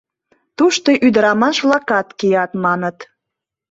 — Тушто ӱдырамаш-влакат кият, маныт.